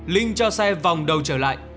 linh cho xe vòng đầu trở lại